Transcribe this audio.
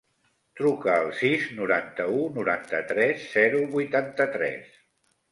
Truca al sis, noranta-u, noranta-tres, zero, vuitanta-tres.